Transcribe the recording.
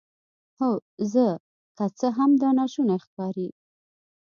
هو زه که څه هم دا ناشونی ښکاري